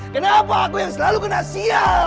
kenapa aku yang selalu kena sial